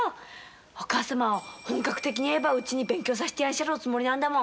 お母様は本格的に絵ばうちに勉強させてやんしゃるおつもりなんだもん。